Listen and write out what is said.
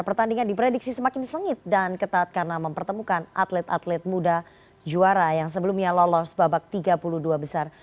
pertandingan diprediksi semakin sengit dan ketat karena mempertemukan atlet atlet muda juara yang sebelumnya lolos babak tiga puluh dua besar